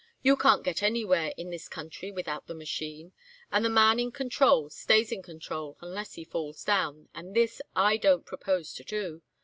You can't get anywhere in this country without the machine, and the man in control stays in control unless he falls down, and this I don't propose to do.